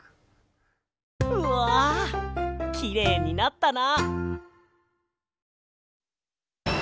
うわきれいになったな！